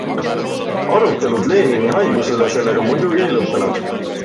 Arutelud Lenini haiguse üle sellega muidugi ei lõppenud.